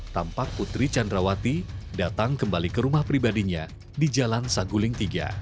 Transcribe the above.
tampak putri candrawati datang kembali ke rumah pribadinya di jalan saguling tiga